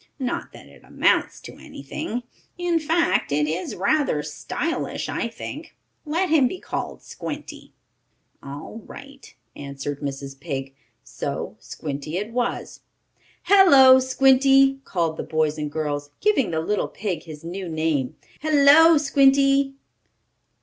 Not that it amounts to anything, in fact it is rather stylish, I think. Let him be called Squinty." "All right," answered Mrs. Pig. So Squinty it was. "Hello, Squinty!" called the boys and girls, giving the little pig his new name. "Hello, Squinty!"